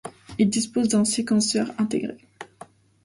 Il dispose d'un séquenceur intégré.